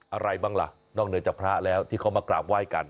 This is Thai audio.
อะไรบ้างล่ะนอกเหนือจากพระแล้วที่เขามากราบไหว้กัน